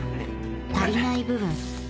足りない部分これ。